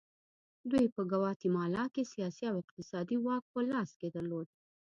دوی په ګواتیمالا کې سیاسي او اقتصادي واک په لاس کې درلود.